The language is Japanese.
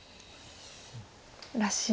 らしい